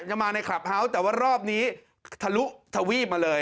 จะมาในคลับเฮาส์แต่ว่ารอบนี้ทะลุทวีปมาเลย